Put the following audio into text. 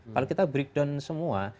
kalau kita breakdown semua